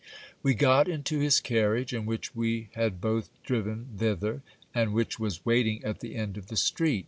We got into his carriage, in which we had both driven thither, and which was wait ing at the end of the street.